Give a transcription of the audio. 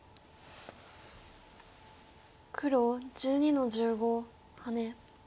黒１２の十五ハネ。